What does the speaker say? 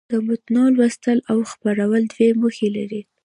د متون لوستل او څېړل دوې موخي لري.